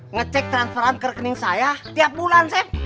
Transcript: ngecek transferan ke rekening saya tiap bulan chef